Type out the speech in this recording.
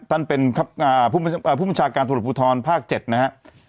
ท่านเป็นผู้บัญชาการตำรวจภูทรภาค๗นะครับ